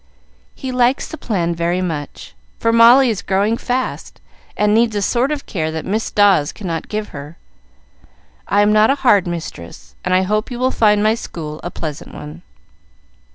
"He likes the plan very much, for Molly is growing fast, and needs a sort of care that Miss Dawes cannot give her. I am not a hard mistress, and I hope you will find my school a pleasant one."